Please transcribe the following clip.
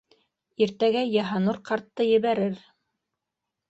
Иртәгә Йыһанур ҡартты ебәрер.